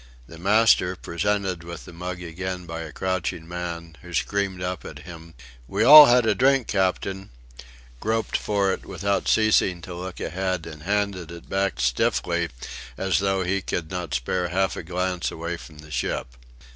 The master, presented with the mug again by a crouching man, who screamed up at him: "We all had a drink, captain," groped for it without ceasing to look ahead, and handed it back stiffly as though he could not spare half a glance away from the ship.